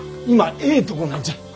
今ええとこなんじゃ！